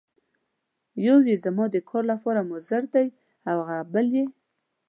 یو یې زما د کار لپاره مضر دی او هغه بل یې.